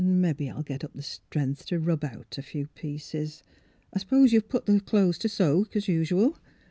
Mebbe I'll get up stren'th t' rub out a few pieces. I s'pose you put the clo'es t' soak, same as usu'l?